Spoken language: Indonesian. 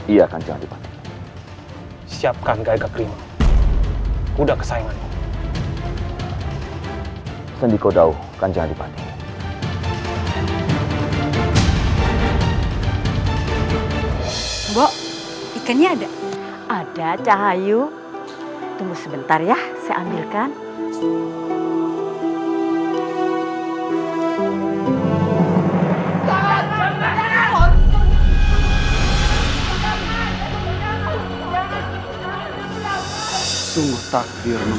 yang dikerokok oleh berjuta juta orang